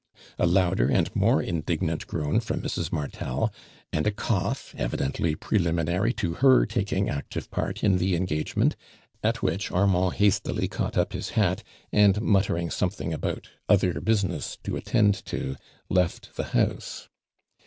A louder and more indignant groan from Mrs. Martel, and a cough, evidently pi e liminary to her taking active part in the en gagement, at which, Armand hastily caught up his hat and muttering something about other business to attend to, left the house.